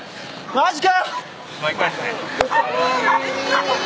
マジか！